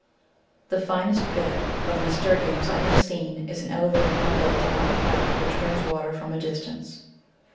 The finest bed of Nasturtiums I have seen is an elevated one built around a pipe which brings water from a distance.